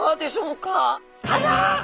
あら！